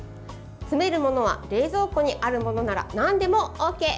詰めるものは冷蔵庫にあるものならなんでもＯＫ。